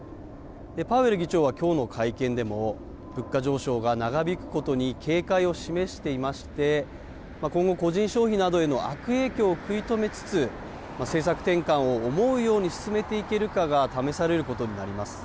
パウエル議長はきょうの会見でも、物価上昇が長引くことに警戒を示していまして、今後、個人消費などへの悪影響を食い止めつつ、政策転換を思うように進めていけるかが試されることになります。